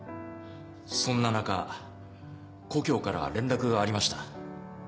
「そんな中故郷から連絡がありました。